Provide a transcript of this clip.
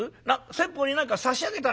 先方に何か差し上げたら？